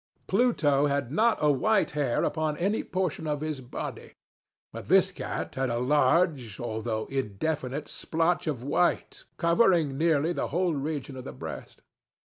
Pluto had not a white hair upon any portion of his body; but this cat had a large, although indefinite splotch of white, covering nearly the whole region of the breast.